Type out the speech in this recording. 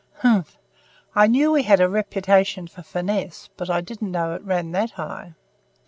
"Humph! I knew we had a reputation for finesse, but I didn't know that it ran that high."